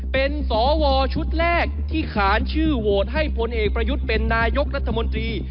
เป็นสวชุดแรกที่ขานชื่อโหวตให้พลเอกประยุทธ์เป็นนายกรัฐมนตรี